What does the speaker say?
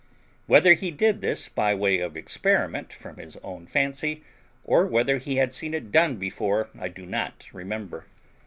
Whether he did this by way of experiment from his own fancy, or whether he had seen it done before, I do not remember.